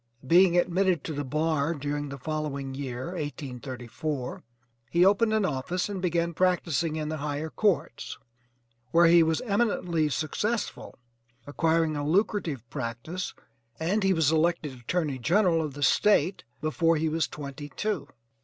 Being admitted to the bar during the following year, 1834, he opened an office and began practicing in the higher courts where he was eminently successful, acquiring a lucrative practice, and HE WAS ELECTED ATTORNEY GENERAL OF THE STATE BEFORE HE WAS TWENTY TWO.